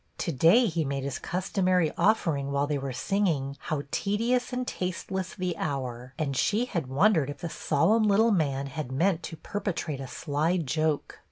To day he made his customary offering while they were singing " How tedious and taste less the hour! " and she had wondered if the solemn little man had meant to perpetrate a sly joke.